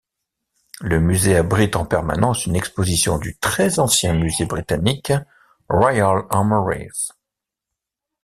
Le musée abrite en permanence une exposition du très ancien musée britannique Royal Armouries.